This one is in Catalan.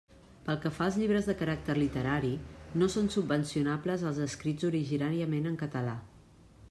Pel que fa als llibres de caràcter literari, no són subvencionables els escrits originàriament en català.